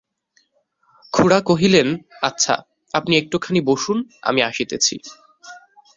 খুড়া কহিলেন, আচ্ছা, আপনি একটুখানি বসুন, আমি আসিতেছি।